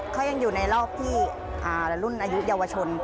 เขายังอยู่ในรอบที่รุ่นอายุเยาวชน